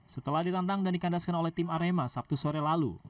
setelah ditantang dan dikandaskan oleh tim arema sabtu sore lalu